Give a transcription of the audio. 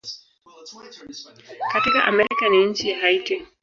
Katika Amerika ni nchi ya Haiti.